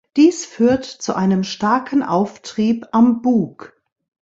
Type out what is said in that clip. Dies führt zu einem starken Auftrieb am Bug.